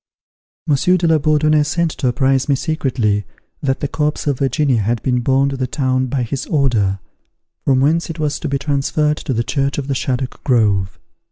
Monsieur de la Bourdonnais sent to apprise me secretly that the corpse of Virginia had been borne to the town by his order, from whence it was to be transferred to the church of the Shaddock Grove.